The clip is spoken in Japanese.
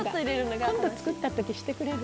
今度作った時してくれる？